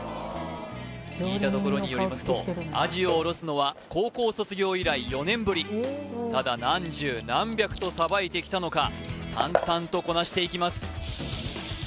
聞いたところによりますとアジをおろすのは高校卒業以来４年ぶりただ何十何百とさばいてきたのか淡々とこなしていきます